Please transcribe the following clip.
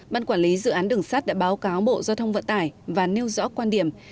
ban quản lý dự án đường sắt đã báo cáo bộ giao thông vận tải và nêu rõ quan điểm